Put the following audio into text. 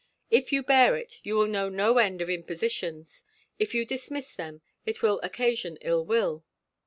If you bear it, you will know no end of impositions: if you dismiss them, it will occasion ill will.